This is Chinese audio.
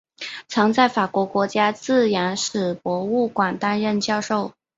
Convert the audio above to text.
曾在法国国家自然史博物馆担任教授。